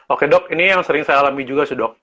oke dok ini yang sering saya alami juga sih dok